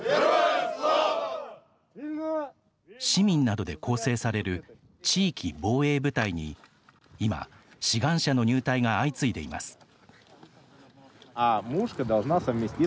市民などで構成される「地域防衛部隊」に今志願者の入隊が相次いでいます。